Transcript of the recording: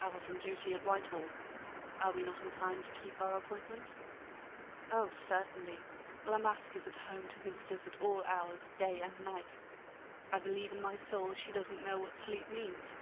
"I was on duty at Whitehall. Are we not in time to keep our appointment?" "Oh, certainly! La Masque is at home to visitors at all hours, day and night. I believe in my soul she doesn't know what sleep means."